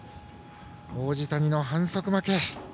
王子谷の反則負け。